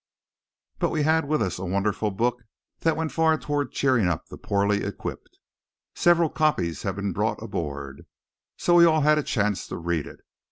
But we had with us a wonderful book that went far toward cheering up the poorly equipped. Several copies had been brought aboard, so we all had a chance to read it.